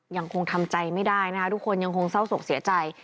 ยังคงทำใจไม่ได้นะคะทุกคนยังคงเศร้าศกเสียใจ